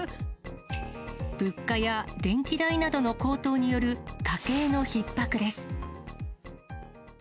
物価や電気代などの高騰による家計のひっ迫です。